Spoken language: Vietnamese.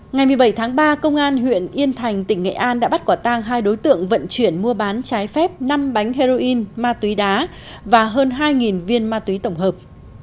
ngày một mươi bảy tháng ba công an huyện yên thành tỉnh nghệ an đã bắt quả tang hai đối tượng vận chuyển mua bán trái phép năm bánh heroin ma túy đá và hơn hai viên ma túy tổng hợp